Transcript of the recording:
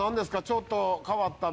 ちょっと変わった。